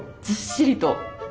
ずっしりと。